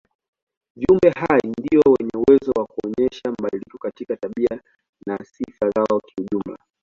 Viumbe hai ndio wenye uwezo wa kuonyesha mabadiliko katika tabia na sifa zao kijumla.